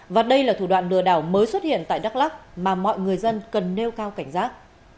và đây là thủ đoạn lừa đảo mới xuất hiện tại đắk lắc mà mọi người dân cần nêu cao cảnh giác